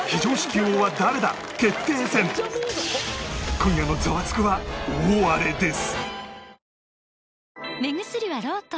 今夜の『ザワつく！』は大荒れです